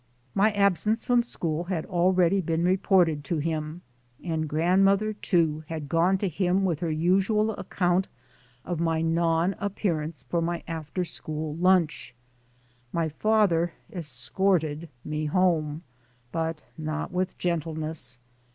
My absence from school had already been reported to him, and grandmother, too, had gone to him with her usual account of my non ap pearance for my after school lunch. My father "escorted" me home, but not with gentleness.